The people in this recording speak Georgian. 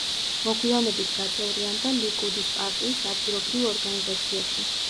მოგვიანებით გაწევრიანდა ლიკუდის პარტიის ადგილობრივ ორგანიზაციაში.